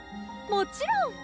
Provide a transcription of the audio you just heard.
もちろん！